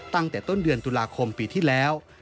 ตั้งแต่ต้นเดือนตุลาคมปีที่แล้ว